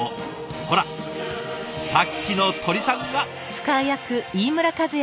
ほらさっきの鳥さんが！